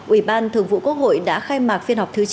ủy ban thường vụ quốc hội đã khai mạc phiên họp thứ chín